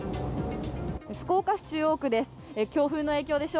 福岡市中央区です。